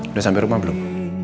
udah sampe rumah belum